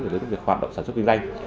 về việc hoạt động sản xuất kinh doanh